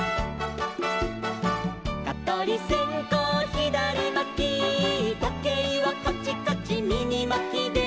「かとりせんこうひだりまき」「とけいはカチカチみぎまきで」